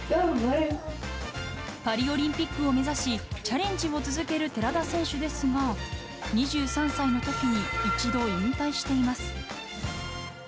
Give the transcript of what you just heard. パリオリンピックを目指し、チャレンジを続ける寺田選手ですが、２３歳のときに一度、引退しています。